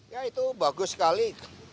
ya itu bagus sekali